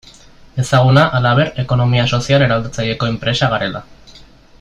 Ezaguna, halaber, ekonomia sozial eraldatzaileko enpresa garela.